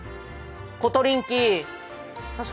コトリンキー。